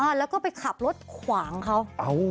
อ่าแล้วก็ไปขับรถขวางเขาอ้าว